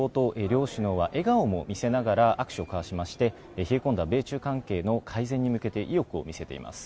両首脳は笑顔も見せながら握手を交わしまして冷え込んだ米中関係の改善に向けて意欲を見せています。